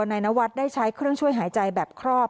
นายนวัดได้ใช้เครื่องช่วยหายใจแบบครอบ